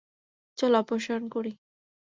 চল অপারেশন করি।